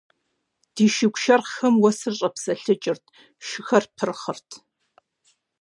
Ди шыгу шэрхъхэм уэсыр щӀэпсэлъыкӀырт, шыхэр пырхъырт.